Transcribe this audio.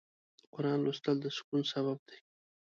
د قرآن لوستل د سکون سبب دی.